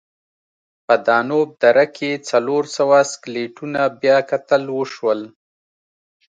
په دانوب دره کې څلور سوه سکلیټونه بیاکتل وشول.